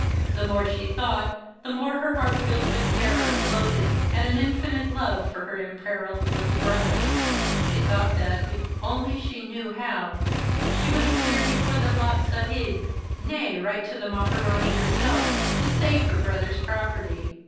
The more she thought, the more her heart filled with terror, loathing, and an infinite love for her imperilled little brother. She thought that, if she only knew how, she would appear before the Lat Saheb, nay, write to the Maharani herself, to save her brother's property.